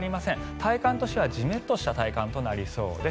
体感としてはジメッとした体感です。